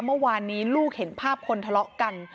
เมื่อวานนี้ลูกเห็นภาพคนทะเลาะกัน